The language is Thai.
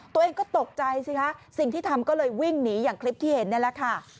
ตัวเองก็ตกใจสิคะสิ่งที่ทำก็เลยวิ่งหนีอย่างคลิปที่เห็นนี่แหละค่ะ